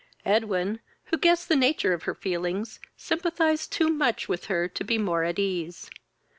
Edwin, who guessed the nature of her feelings, sympathized too much with her to be more at ease.